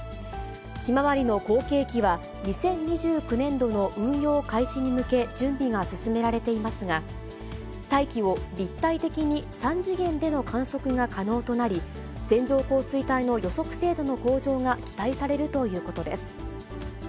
ひまわりの後継機は２０２９年度の運用開始に向け準備が進められていますが、大気を立体的に３次元での観測が可能となり、線状降水帯の予測精度の向上が期待されるということです。